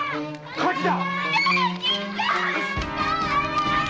火事だ！